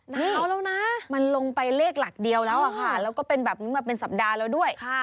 เอาแล้วนะมันลงไปเลขหลักเดียวแล้วอะค่ะแล้วก็เป็นแบบนี้มาเป็นสัปดาห์แล้วด้วย